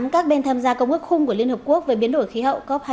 các bên tham gia công ước khung của liên hợp quốc về biến đổi khí hậu cop hai mươi tám